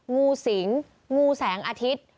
งูสิงงูแสงอาทิตย์